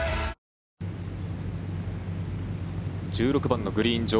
１６番のグリーン上